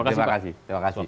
terima kasih pak